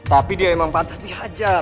tapi dia emang pantas dihajar